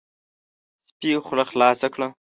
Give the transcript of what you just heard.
سپي خوله خلاصه کړه،